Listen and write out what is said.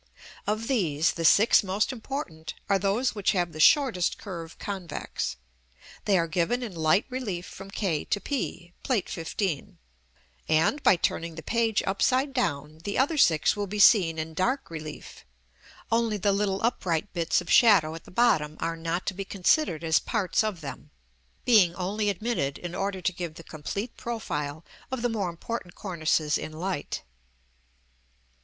Of these the six most important are those which have the shortest curve convex: they are given in light relief from k to p, Plate XV., and, by turning the page upside down, the other six will be seen in dark relief, only the little upright bits of shadow at the bottom are not to be considered as parts of them, being only admitted in order to give the complete profile of the more important cornices in light.